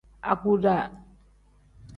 Aguda.